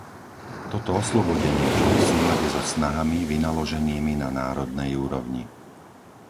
Toto oslobodenie bude v súlade so snahami vynaloženými na národnej úrovni.